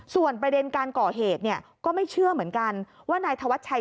ส่วนประเด็นการก่อเหตุเนี่ยก็ไม่เชื่อเหมือนกันว่านายธวัชชัย